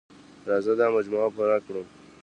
راځه دا مجموعه پوره کړو.